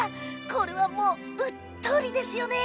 これはもううっとり！ですよね。